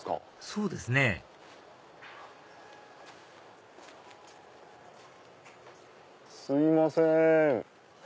そうですねすいません